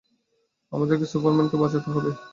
আমাদের সুপারম্যানকে বাঁচাতে হবে।